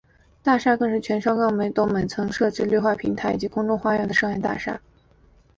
大厦更是全港首幢每层均设置绿化平台及空中花园的商业大厦。